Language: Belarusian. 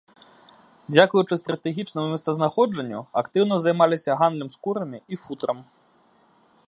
Дзякуючы стратэгічнаму месцазнаходжанню актыўна займаліся гандлем скурамі і футрам.